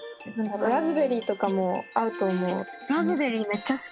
ラズベリーとかも合うと思う！